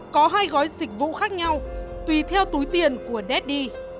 có hai gói dịch vụ khác nhau tùy theo túi tiền của netdy